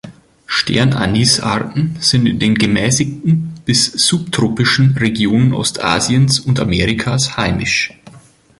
Sternanis-Arten sind in den gemäßigten bis subtropischen Regionen Ostasiens und Amerikas heimisch.